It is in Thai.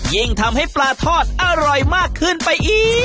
ยิ่งทำให้ปลาทอดอร่อยมากขึ้นไปอีก